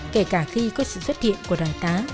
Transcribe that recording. kể cả khi có sự xuất hiện của đại tá